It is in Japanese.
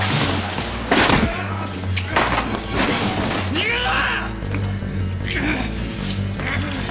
逃げろ！